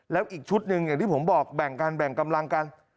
แล้วอีกชุดหนึ่งอย่างที่ผมบอกแบ่งกันแบ่งกำลังกัน